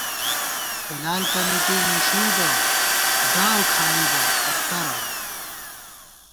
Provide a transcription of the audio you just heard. ہِلال کمېٹی نِݭُوئیبہ ڈاؤ کھائیبہ اختَرہ